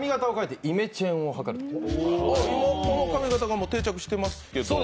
この髪形が定着してますけど。